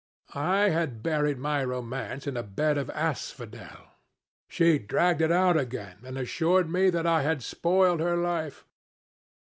I had buried my romance in a bed of asphodel. She dragged it out again and assured me that I had spoiled her life.